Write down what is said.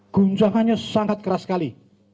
guncangannya sangat keras sekali